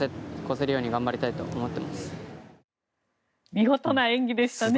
見事な演技でしたね。